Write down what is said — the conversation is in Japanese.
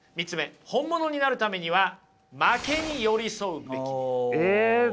本物になるためには負けに寄り添うべきである。